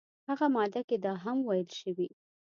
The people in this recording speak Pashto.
همغه ماده کې دا هم ویل شوي